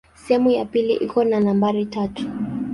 Sehemu ya pili iko na nambari tatu.